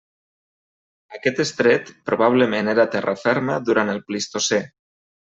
Aquest estret probablement era terra ferma durant el Plistocè.